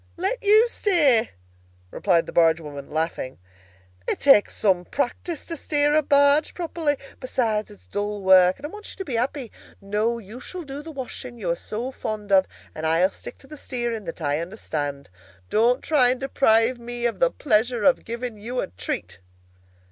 "Let you steer?" replied the barge woman, laughing. "It takes some practice to steer a barge properly. Besides, it's dull work, and I want you to be happy. No, you shall do the washing you are so fond of, and I'll stick to the steering that I understand. Don't try and deprive me of the pleasure of giving you a treat!"